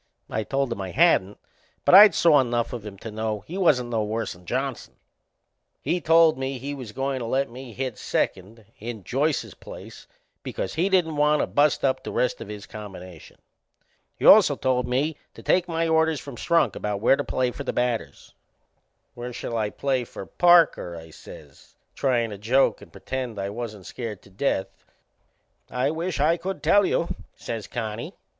I told him I hadn't, but I'd saw enough of him to know he wasn't no worse'n Johnson. He told me he was goin' to let me hit second in Joyce's place because he didn't want to bust up the rest of his combination. He also told me to take my orders from Strunk about where to play for the batters. "Where shall I play for Parker?" I says, tryin' to joke and pretend I wasn't scared to death. "I wisht I could tell you," says Connie.